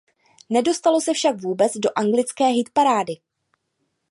Nedostalo se však vůbec do anglické hitparády.